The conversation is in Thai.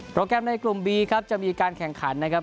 แกรมในกลุ่มบีครับจะมีการแข่งขันนะครับ